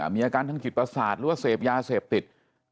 มีอาการทางจิตประสาทหรือว่าเสพยาเสพติด